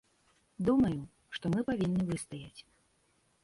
Думаю, што мы павінны выстаяць.